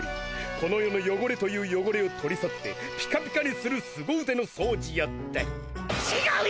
この世のよごれというよごれを取り去ってピカピカにするすご腕の掃除や。ってちがうよ！